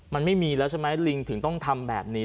มันไม่มีแล้วใช่ไหมลิงถึงต้องทำแบบนี้